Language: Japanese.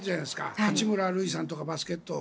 八村塁さんとか、バスケット。